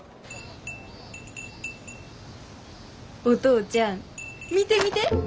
お父ちゃん見て見て！